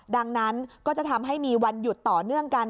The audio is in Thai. ดังนั้นก็จะทำให้มีวันหยุดต่อเนื่องกัน